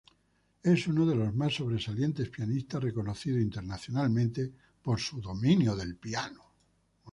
Es uno de los más sobresalientes pianistas, reconocido internacionalmente por su dominio del piano.